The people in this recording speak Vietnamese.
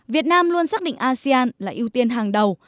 việt nam luôn xác định asean là ưu tiên hàng đầu